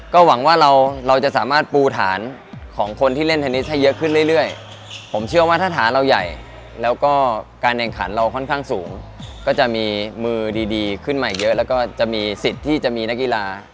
ก็หวังว่าเราเราจะสามารถปูฐานของคนที่เล่นเทนนิสให้เยอะขึ้นเรื่อยผมเชื่อว่าถ้าฐานเราใหญ่แล้วก็การแข่งขันเราค่อนข้างสูงก็จะมีมือดีขึ้นมาเยอะแล้วก็จะมีสิทธิ์ที่จะมีนักกีฬา